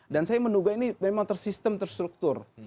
dan saya menuguh ini memang tersistem terstruktur